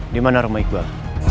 di mana rumah iqbal